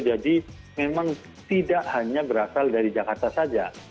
jadi memang tidak hanya berasal dari jakarta saja